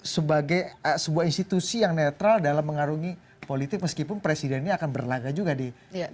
sebagai sebuah institusi yang netral dalam mengarungi politik meskipun presiden ini akan berlagak juga di